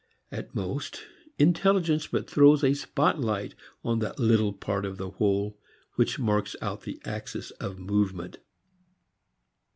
At most intelligence but throws a spotlight on that little part of the whole which marks out the axis of movement.